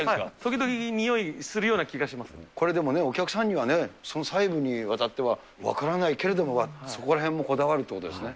時々、匂いするような気がしこれでもね、お客さんには、その細部にわたっては分からないけれども、そこらへんもこだわるということですね。